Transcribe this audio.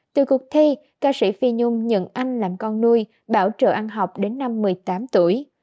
từ cuộc thi ca sĩ phi nhung nhận anh làm con nuôi bảo trợ ăn học đến năm một mươi tám tuổi